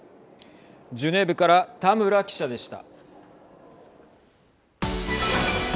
ジュネーブから田村記者でした。